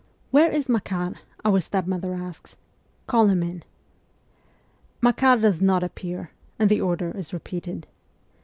Where is Makar ?' our stepmother asks. ' Call him in.' Makar does not appear, and the order is repeated.